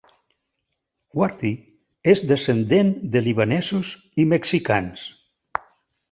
Wardy és descendent de libanesos i mexicans.